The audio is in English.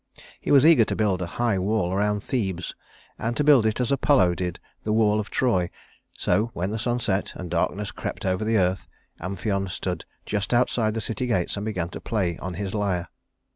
He was eager to build a high wall around Thebes, and to build it as Apollo did the wall of Troy; so when the sun set, and darkness crept over the earth, Amphion stood just outside the city gates and began to play on his lyre.